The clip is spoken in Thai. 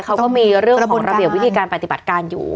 เขาก็มีเรื่องของระเบียบวิธีการปฏิบัติการอยู่